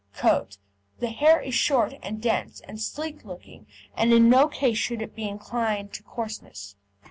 COAT The hair is short and dense, and sleek looking, and in no case should it incline to coarseness.